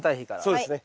そうですね。